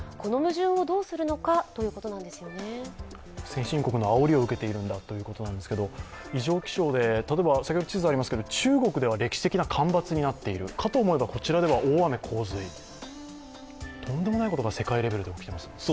先進国のあおりを受けているんだということなんですが異常気象で、例えば、中国では歴史的な干ばつになっているかと思えばこちらでは大雨・洪水とんでもないことが世界レベルで起きています。